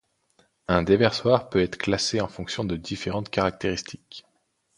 Un déversoir peut être classé en fonction de différentes caractéristiques.